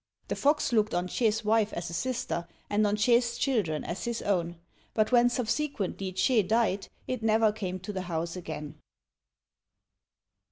The fox looked on Ch'ê's wife as a sister, and on Ch'ê's children as his own; but when, subsequently, Ch'ê died, it never came to the house again.